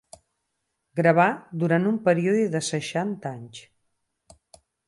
Gravà durant un període de seixanta anys.